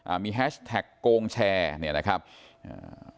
มีแฮชแท็กโกงแชร์เนี่ยนะครับอ่า